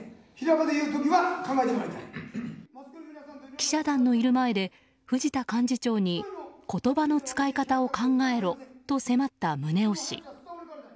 記者団のいる前で藤田幹事長に個駑馬の使い方を考えろと迫った宗男氏。